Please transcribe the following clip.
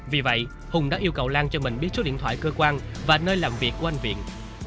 vì vậy hùng đã yêu cầu lan cho mình biết số điện thoại cơ quan và nơi làm việc của anh viện